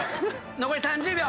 残り３０秒。